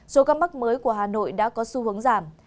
số ca mắc mới của hà nội đã có xu hướng giảm